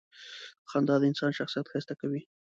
• خندا د انسان شخصیت ښایسته کوي.